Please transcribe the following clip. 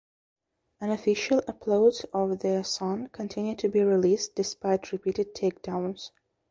Unofficial uploads of the song continue to be released despite repeated takedowns.